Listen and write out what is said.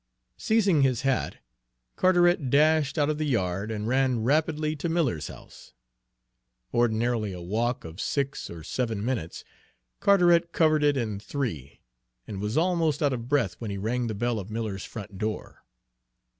Seizing his hat, Carteret dashed out of the yard and ran rapidly to Miller's house; ordinarily a walk of six or seven minutes, Carteret covered it in three, and was almost out of breath when he rang the bell of Miller's front door.